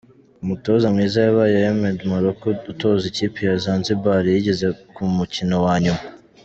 Umutoza mwiza yabaye Hemed Morocco utoza ikipe ya Zanzibar yageze ku mukino wa nyuma.